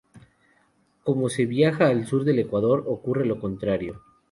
Como se viaja al sur del Ecuador ocurre lo contrario.